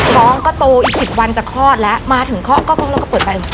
ท้องก็โตอีสิบวันจะคลอดแล้วมาถึงเคราะห์ก็เคราะห์แล้วก็เปิดไปอีก